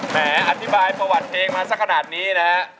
แหมอธิบายประวัติเองมาสักขนาดนี้นะฮะ